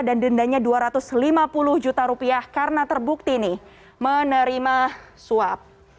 dan dendannya dua ratus lima puluh juta rupiah karena terbukti menerima suap